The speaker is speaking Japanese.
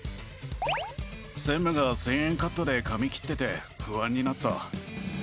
専務が１０００円カットで髪切ってて不安になった。